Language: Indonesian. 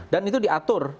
dan itu diatur